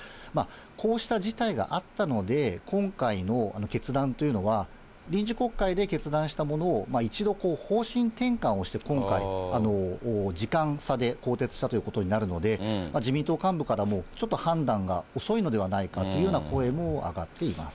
こうした事態があったので、今回の決断というのは、臨時国会で決断したものを一度、方針転換をして、今回、時間差で更迭したということになるので、自民党幹部からも、ちょっと判断が遅いのではないかという声も上がっています。